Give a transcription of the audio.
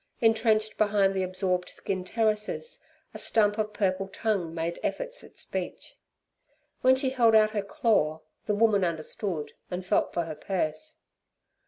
Entrenched behind the absorbed skin terraces, a stump of purple tongue made efforts at speech. When she held out her claw, the woman understood and felt for her purse.